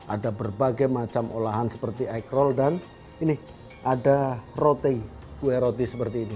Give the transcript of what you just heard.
ada berbagai macam olahan seperti ekrol dan ini ada roti kue roti seperti ini